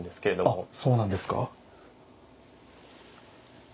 あそうなんですか。